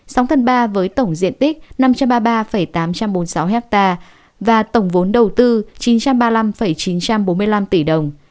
sóng thần ba với tổng diện tích năm trăm ba mươi ba tám trăm bốn mươi sáu ha và tổng vốn đầu tư chín trăm ba mươi năm chín trăm bốn mươi năm tỷ đồng